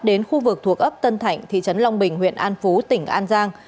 đến khu vực thuộc ấp tân thạnh thị trấn long bình huyện an phú tỉnh an giang